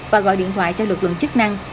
và gọi điện thoại cho lực lượng chức năng